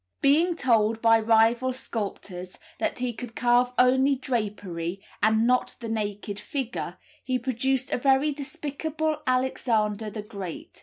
Being told by rival sculptors that he could carve only drapery, and not the naked figure, he produced a very despicable Alexander the Great.